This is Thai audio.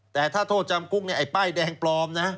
แต่ถ้าโทษจำคุกเนี่ยไอ้ป้ายแดงปลอมนะ